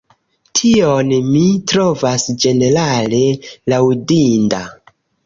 Tion mi trovas ĝenerale laŭdinda.